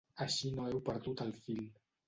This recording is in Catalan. Així no heu perdut el fil.